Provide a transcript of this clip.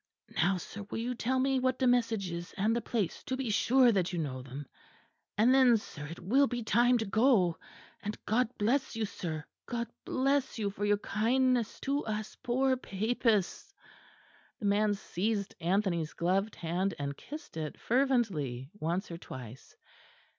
Now, sir, will you tell me what the message is, and the place, to be sure that you know them; and then, sir, it will be time to go; and God bless you, sir. God bless you for your kindness to us poor papists!" The man seized Anthony's gloved hand and kissed it fervently once or twice.